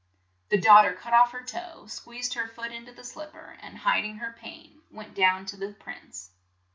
The daugh ter cut off her toe, squeezed her foot in to the slip per, and hid ing her pain, went down to the prince.